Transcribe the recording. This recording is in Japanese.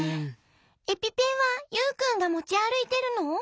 エピペンはユウくんがもちあるいてるの？